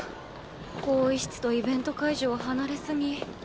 更衣室とイベント会場離れすぎ